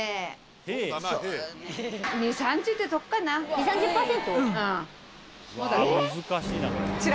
２０３０％？